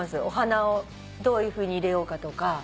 お花をどういうふうに入れようかとか。